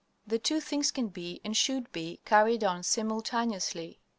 The two things can be, and should be, carried on simultaneously.